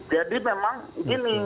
jadi memang gini